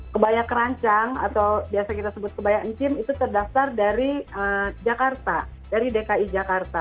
kebaya keranjang atau biasa kita sebut kebaya encim itu terdaftar dari jakarta dari dki jakarta